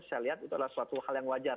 saya lihat itu adalah suatu hal yang wajar